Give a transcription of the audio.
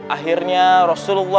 akhirnya nabi muhammad saw menerima solat